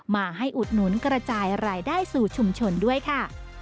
มาให้อุดหนุนกระจายรายได้สู่ชุมชนด้วยค่ะ